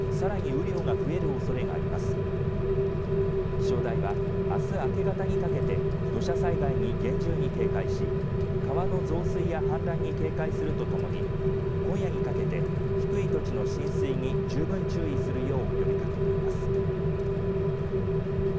気象台はあす明け方にかけて土砂災害に厳重に警戒し川の増水や氾濫に警戒するとともに今夜にかけて、低い土地の浸水に十分注意するよう呼びかけています。